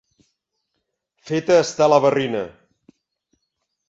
Feta està la barrina.